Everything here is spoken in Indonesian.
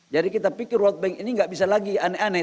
jadi kita pikir world bank ini tidak bisa lagi aneh aneh